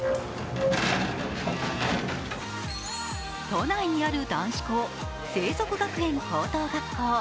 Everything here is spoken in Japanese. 都内にある男子校、正則学園高等学校。